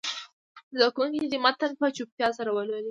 زده کوونکي دې متن په چوپتیا سره ولولي.